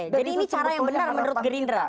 jadi ini cara yang benar menurut gerindra